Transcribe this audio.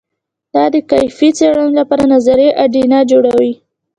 دا د کیفي څېړنې لپاره نظري اډانه جوړوي.